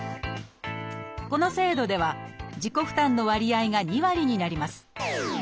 この制度では自己負担の割合が２割になります。